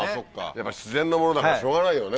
やっぱ自然のものだからしょうがないよね。